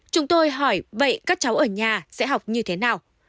chúng tôi hỏi vậy các cháu ở nhà sẽ học như thế nào